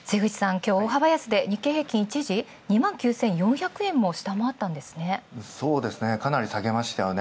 今日、大幅安で日経平均一時、２４９００円も下回ったんですね。